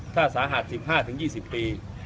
ถ้าสาหัส๑๕๒๐ปี